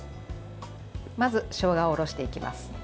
まず、しょうがをおろしていきます。